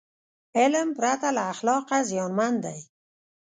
علم پرته له اخلاقه زیانمن دی.